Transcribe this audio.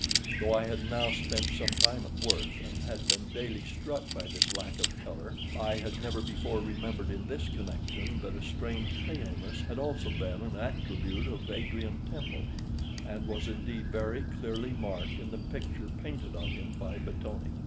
Though I had now spent some time at Worth, and had been daily struck by this lack of colour, I had never before remembered in this connection that a strange paleness had also been an attribute of Adrian Temple, and was indeed very clearly marked in the picture painted of him by Battoni.